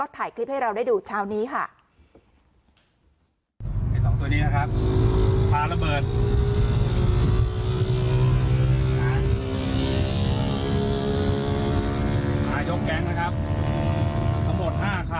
ถือดาบไล่ฟันกันนะ